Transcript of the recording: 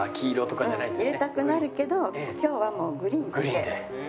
入れたくなるけど今日はもうグリーンだけ。